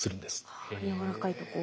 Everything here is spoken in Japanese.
あやわらかいとこを。